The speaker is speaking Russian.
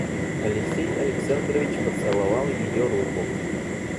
Алексей Александрович поцеловал ее руку.